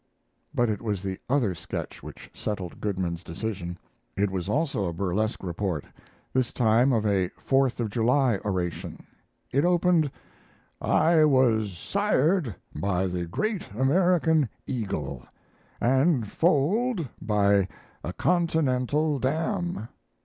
But it was the other sketch which settled Goodman's decision. It was also a burlesque report, this time of a Fourth of July oration. It opened, "I was sired by the Great American Eagle and foaled by a continental dam."